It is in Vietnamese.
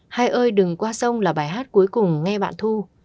hai ơi đừng qua sông là bài hát cuối cùng nghe bản thu